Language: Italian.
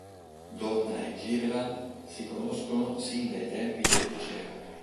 Donna e Cleveland si conoscono sin dai tempi del liceo.